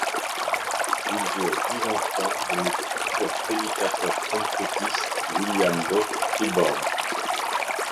Ils eurent eu dix enfants, dont le futur prédicateur pentecôtiste William Booth-Clibborn.